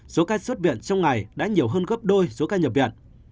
số ca xuất viện trong ngày đã nhiều hơn gấp đôi số ca nhập viện